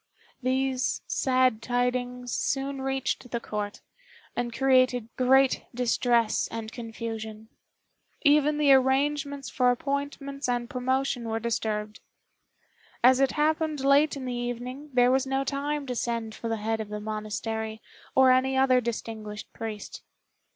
These sad tidings soon reached the Court, and created great distress and confusion: even the arrangements for appointments and promotion were disturbed. As it happened late in the evening there was no time to send for the head of the monastery, or any other distinguished priest.